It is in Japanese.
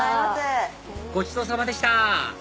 ごちそうさまでした！